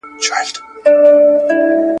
د جنسي خپلواکۍ ژوند درلودی